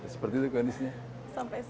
seperti itu kondisinya